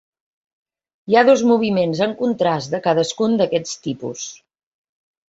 Hi ha dos moviments en contrast de cadascun d"aquests tipus.